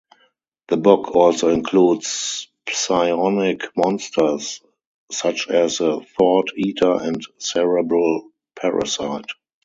The book also includes psionic monsters, such as the thought eater and cerebral parasite.